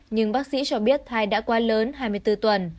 nhưng bác sĩ cho biết thai đã quá lớn hai mươi bốn tuần